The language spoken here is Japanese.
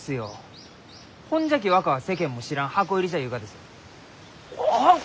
ほんじゃき若は世間も知らん箱入りじゃ言うがです。はあ！？